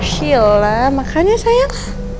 syillah makannya sayang